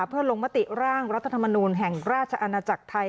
เพื่อลงมติร่างรัฐธรรมนูลแห่งราชอาณาจักรไทย